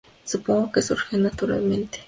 Supongo que surgió naturalmente".